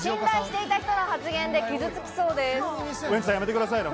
ウエンツさん、やめてくださいね